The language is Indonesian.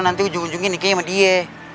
nanti ujung ujungin nikahnya sama dia